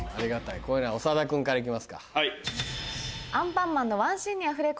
こういうのは長田君から行きますか。